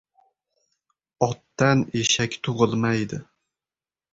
• Otdan eshak tug‘ilmaydi.